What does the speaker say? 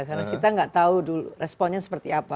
karena kita nggak tahu dulu responnya seperti apa